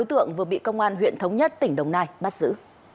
sáu đối tượng vừa bị công an huyện thống nhất tỉnh đồng nai bắt giữ